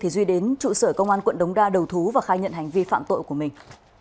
duy đến trụ sở công an quận đống đa đầu thú và khai nhận hành vi phạm tội của mình